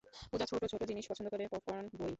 পূজা ছোট ছোট জিনিস পছন্দ করে, পপকর্ন, বই।